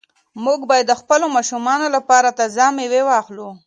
موږ باید د خپلو ماشومانو لپاره تازه مېوې واخلو.